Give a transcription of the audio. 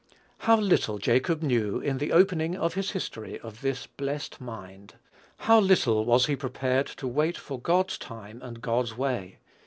How little Jacob knew, in the opening of his history, of this blessed mind! How little was he prepared to wait for God's time and God's way!